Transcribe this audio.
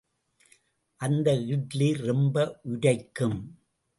அந்த இட்லி ரொம்ப உரைக்கும்!